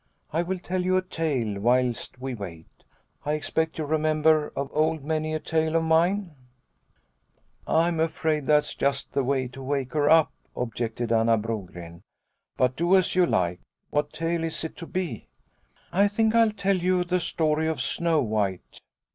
I will tell you a tale whilst we wait. I expect you remember of old many a tale of mine." " I am afraid that's just the way to wake her up," objected Anna Brogren, " but do as you like. What tale is it to be ?"" I think I'll tell you the story of Snow White."